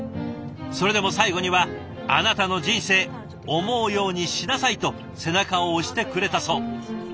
それでも最後には「あなたの人生思うようにしなさい」と背中を押してくれたそう。